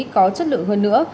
có chất lượng hơn nữa